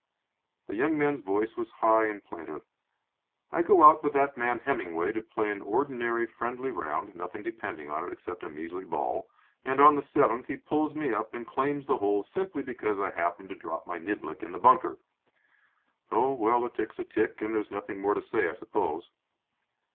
The young man's voice was high and plaintive. "I go out with that man Hemmingway to play an ordinary friendly round nothing depending on it except a measly ball and on the seventh he pulls me up and claims the hole simply because I happened to drop my niblick in the bunker. Oh, well, a tick's a tick, and there's nothing more to say, I suppose."